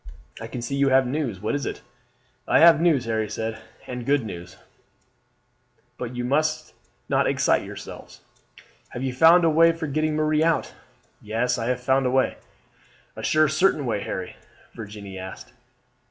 "I can see you have news. What is it?" "I have news," Harry said, "and good news, but you must not excite yourselves." "Have you found a way for getting Marie out?" "Yes, I have found a way." "A sure, certain way, Harry?" Virginie asked.